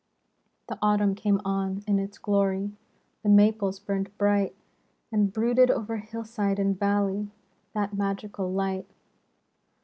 The Autumn came on in its glory. The maples burned bright; And brooded o'er hillside and valley The magical light.